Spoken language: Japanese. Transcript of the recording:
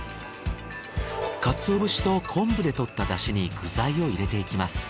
カツオ節と昆布で取った出汁に具材を入れていきます。